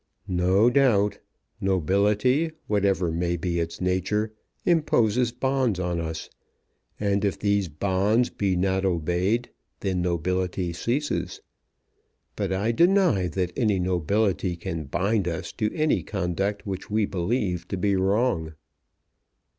"No doubt. Nobility, whatever may be its nature, imposes bonds on us. And if these bonds be not obeyed, then nobility ceases. But I deny that any nobility can bind us to any conduct which we believe to be wrong."